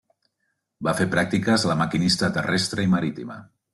Va fer pràctiques a la Maquinista Terrestre i Marítima.